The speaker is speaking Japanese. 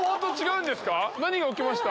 何が起きました？